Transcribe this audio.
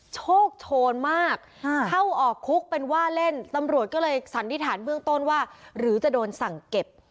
โชคโชนมากเข้าออกคุกเป็นว่าเล่นตำรวจก็เลยสันนิษฐานเบื้องต้นว่าหรือจะโดนสั่งเก็บ